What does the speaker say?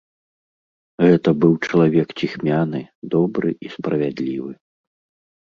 Гэта быў чалавек ціхмяны, добры і справядлівы.